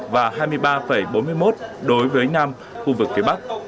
và hai mươi ba bốn mươi một đối với nam khu vực phía bắc